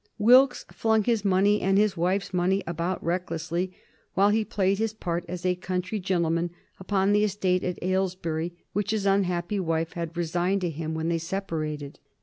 Wilkes flung his money and his wife's money about recklessly, while he played his part as a country gentleman upon the estate at Aylesbury which his unhappy wife had resigned to him when they separated.